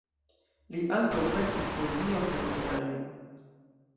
Li ankaŭ verkis poezion kaj teatraĵojn.